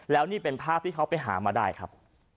แล้วนี่เป็นภาพที่เขาไปหามาได้ครับ